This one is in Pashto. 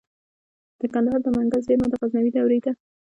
د کندهار د منگل زیرمه د غزنوي دورې ده